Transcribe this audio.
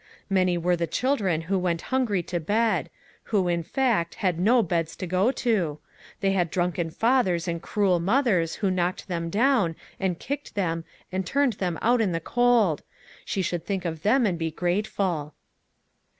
Many were the children who went hungry to bed ; who, in fact, had no beds to go to. They had drunken fathers and cruel mothers, who knocked them down, and kicked them, and turned them out in the cold; she should think of them, and be grateful.